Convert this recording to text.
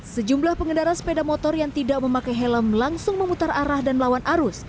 sejumlah pengendara sepeda motor yang tidak memakai helm langsung memutar arah dan melawan arus